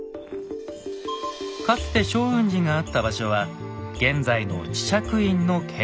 かつて祥雲寺があった場所は現在の智積院の境内。